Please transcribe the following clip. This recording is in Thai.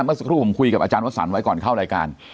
เมื่อสักครู่ผมคุยกับอาจารย์วสันไว้ก่อนเข้ารายการ